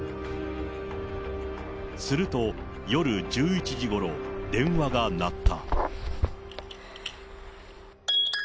すると夜１１時ごろ、電話が鳴った。